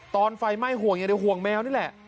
ไฟไหม้ห่วงอย่างเดียวห่วงแมวนี่แหละ